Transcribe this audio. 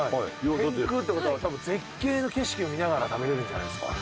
天空って事は多分絶景の景色を見ながら食べれるんじゃないですか？